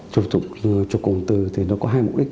chụp cụng từ thì nó có hai mục đích